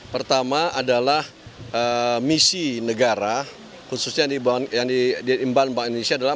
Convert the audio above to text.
pertama adalah misi negara khususnya yang diimban bank indonesia adalah